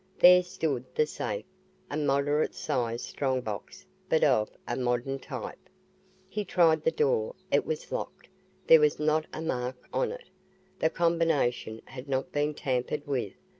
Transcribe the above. There stood the safe, a moderate sized strong box but of a modern type. He tried the door. It was locked. There was not a mark on it. The combination had not been tampered with.